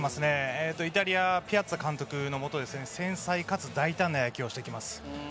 イタリアのピアザ監督のもと繊細かつ大胆な野球をしてきます。